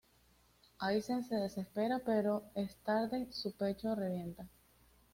Aizen se desespera, pero es tarde, su pecho revienta.